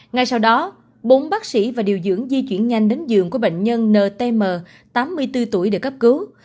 ngay sau đó bốn bác sĩ và điều dưỡng di chuyển nhanh đến giường của bệnh nhân ntm tám mươi bốn tuổi để cấp cứu